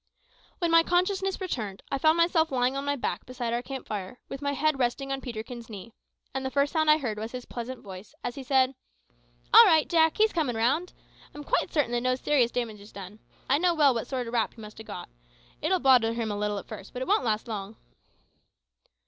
When my consciousness returned, I found myself lying on my back beside our camp fire, with my head resting on Peterkin's knee; and the first sound I heard was his pleasant voice, as he said "All right, Jack; he's coming round. I'm quite certain that no serious damage is done. I know well what sort o' rap he must have got. It'll bother him a little at first, but it won't last long."